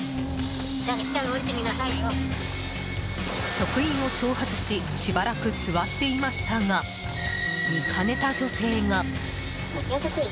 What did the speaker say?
職員を挑発ししばらく座っていましたが見かねた女性が。